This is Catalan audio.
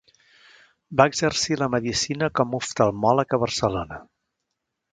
Va exercir la medicina com oftalmòleg a Barcelona.